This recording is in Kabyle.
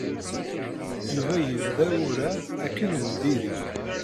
Yuba yebda urar akken n diri.